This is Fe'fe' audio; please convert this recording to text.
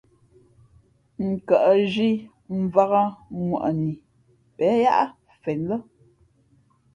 N kαʼzhī mvǎk ŋwαʼni pen yáʼ fen lά.